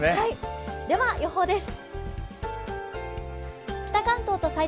では、予報です。